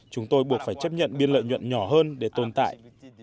chúng tôi buộc phải chấp nhận biên lợi nhuận nhỏ hơn để tồn tại